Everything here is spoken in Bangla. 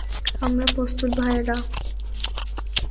আমরা প্রস্তুত, ভাইয়েরা।